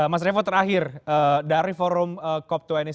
mas revo terakhir dari forum cop dua puluh satu